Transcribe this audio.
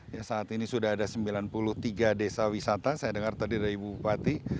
ya saat ini sudah ada sembilan puluh tiga desa wisata saya dengar tadi dari ibu bupati